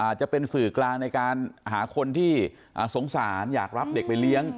จะเป็นสื่อกลางในการหาคนที่สงสารอยากรับเด็กไปเลี้ยง